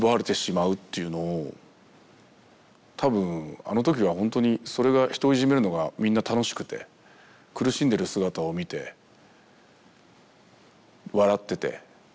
多分あのときはほんとにそれが人をいじめるのがみんな楽しくて苦しんでる姿を見て笑ってて。